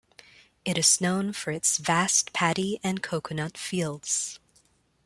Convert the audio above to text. It is known for its vast paddy and coconut fields.